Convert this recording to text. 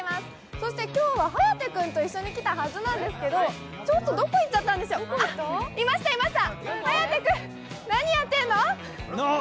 そして今日は颯君と一緒に来たはずなんですけど、ちょっとどこに行っちゃったんでしょういましたいました、何やってんの？